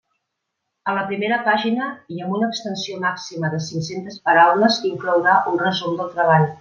A la primera pàgina i amb una extensió màxima de cinc-centes paraules inclourà un resum del treball.